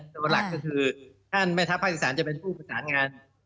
ตัวหลักก็คือท่านแม่ทัพภาคอีสานจะเป็นผู้ประสานงาน